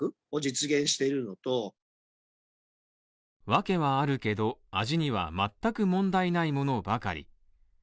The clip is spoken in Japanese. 分けはあるけど、味には全く問題ないものばかり。